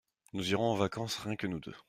Nous irons en vacances rien que nous deux.